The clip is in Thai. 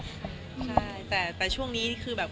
เรียกงานไปเรียบร้อยแล้ว